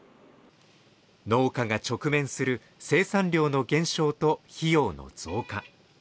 農家が直面する生産量の減少と費用の増加